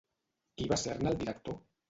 Qui va ser-ne el director?